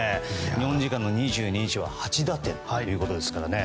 日本時間２２日は８打点ということですからね。